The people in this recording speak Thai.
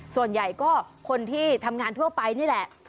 ส่วนใหญ่ก็คนที่ทำงานทั่วไปนี่แหละ